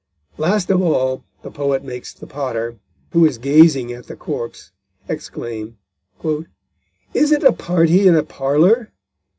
Last of all the poet makes the Potter, who is gazing at the corpse, exclaim: _Is it a party in a parlour?